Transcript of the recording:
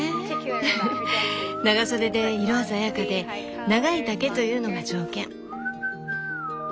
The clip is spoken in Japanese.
長袖で色鮮やかで長い丈というのが条件。